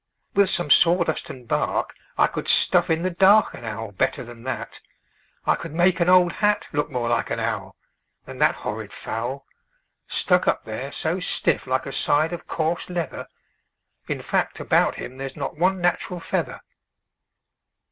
"With some sawdust and bark I could stuff in the dark An owl better than that. I could make an old hat Look more like an owl Than that horrid fowl, Stuck up there so stiff like a side of coarse leather. In fact, about him there's not one natural feather."